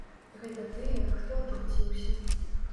Гэта тыя, хто атруціўся.